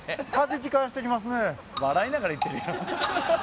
「笑いながら言ってるよ」